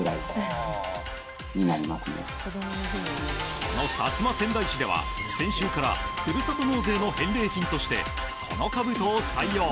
その薩摩川内市では先週からふるさと納税の返礼品としてこのかぶとを採用。